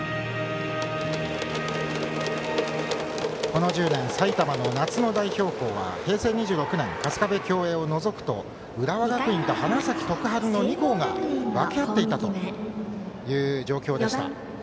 この１０年埼玉の夏の代表校は平成２６年、春日部共栄を除くと浦和学院と花咲徳栄の２校が分け合っていたという状況でした。